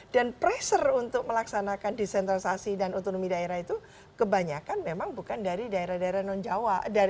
dan pressure untuk melaksanakan desentralisasi dan uturming daerah itu kebanyakan memang bukan dari daerah daerah jawa